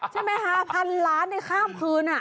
ใช่ไหมคะพันล้านในข้ามคืน